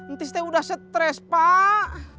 ntis teh udah stres pak